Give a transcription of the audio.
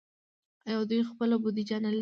آیا دوی خپله بودیجه نلري؟